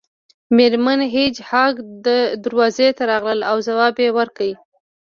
میرمن هیج هاګ دروازې ته راغله او ځواب یې ورکړ